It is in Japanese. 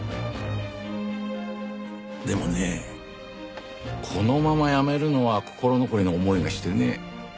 でもねこのまま辞めるのは心残りの思いがしてね。